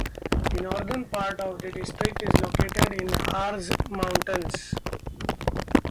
The northern part of the district is located in the Harz mountains.